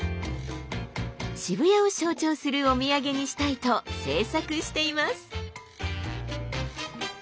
渋谷を象徴するお土産にしたいと制作しています。